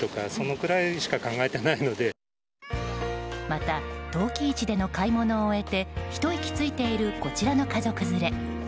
また陶器市での買い物を終えてひと息ついているこちらの家族連れ。